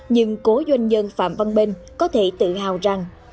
nhưng cố doanh nhân phạm văn bên có thể tự hào rằng